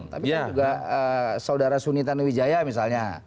tapi kan juga saudara suni tanuwijaya misalnya